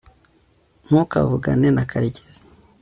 ntukavugane na karekezi